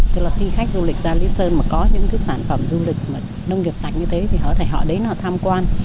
khi khách du lịch ra lý sơn mà có những sản phẩm du lịch nông nghiệp sạch như thế thì họ đến tham quan